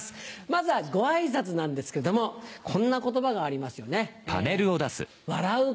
まずはご挨拶なんですけれどもこんな言葉がありますよね。